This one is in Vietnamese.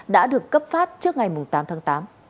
đã được cấp phát trước ngày tám tháng tám